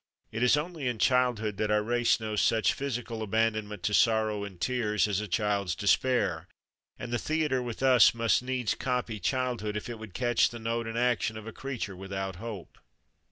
It is only in childhood that our race knows such physical abandonment to sorrow and tears, as a child's despair; and the theatre with us must needs copy childhood if it would catch the note and action of a creature without hope.